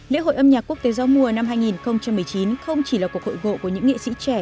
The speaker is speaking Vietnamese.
lễ hội âm nhạc quốc tế gió mùa năm hai nghìn một mươi chín không chỉ là cuộc hội ngộ của những nghệ sĩ trẻ